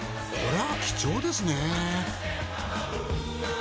これは貴重ですね。